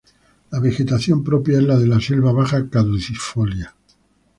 La vegetación propia es la de la selva baja caducifolia.